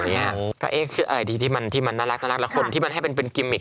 ก็เอ๊ะอะไรดีที่มันน่ารักแล้วคนที่มันให้เป็นกิมมิก